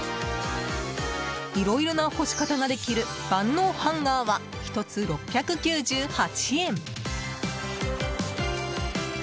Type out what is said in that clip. いろいろな干し方ができる万能ハンガーは１つ６９８円。